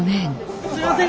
すいません！